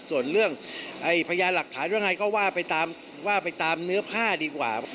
ส่วนเรื่องพญาหลักฐานอะไรก็ว่าไปตามเนื้อผ้าดีกว่า